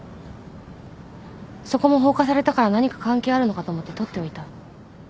そこも放火されたから何か関係あるのかと思って撮っておいた。